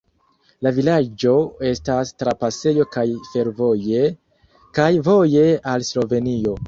La vilaĝo estas trapasejo kaj fervoje, kaj voje al Slovenio.